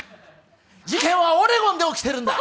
事件はオレゴンで起きているんだ！